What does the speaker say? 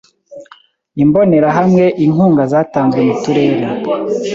Imbonerahamwe Inkunga zatanzwe m Uturere